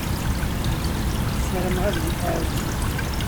Ssarameɣ ad iyi-tɛawen.